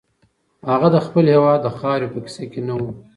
هغه د خپل هېواد د خاورې په کیسه کې نه و.